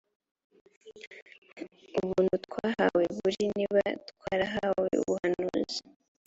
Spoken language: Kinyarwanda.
ubuntu twahawe buri niba twarahawe ubuhanuzi